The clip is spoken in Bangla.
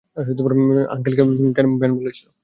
আঙ্কেল বেন বলেছিল।